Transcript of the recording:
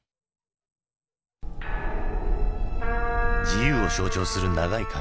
自由を象徴する長い髪。